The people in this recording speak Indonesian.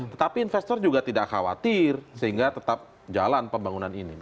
tetapi investor juga tidak khawatir sehingga tetap jalan pembangunan ini